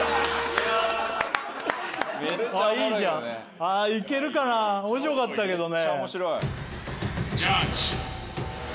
めっちゃいいじゃんああいけるかな面白かったけどね